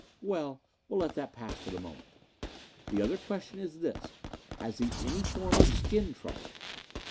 "Well, we'll let that pass for the moment. The other question is this: has he any form of skin trouble?"